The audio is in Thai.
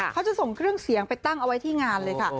เขาจะส่งเครื่องเสียงไปตั้งเอาไว้ที่งานเลยค่ะ